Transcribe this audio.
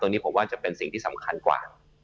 นี้ผมว่าจะเป็นสิ่งที่สำคัญกว่า